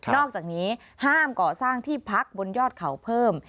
อกจากนี้ห้ามก่อสร้างที่พักบนยอดเขาเพิ่ม